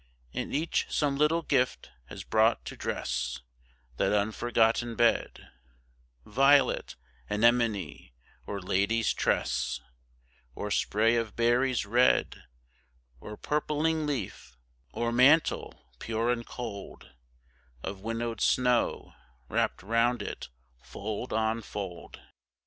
And each some little gift has brought to dress That unforgotten bed, Violet, anemone, or lady's tress, Or spray of berries red, Or purpling leaf, or mantle, pure and cold, Of winnowed snow, wrapped round it, fold on fold.